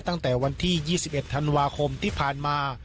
ตั้งแต่วันที่๒๑ธันวาคมที่ผ่านมา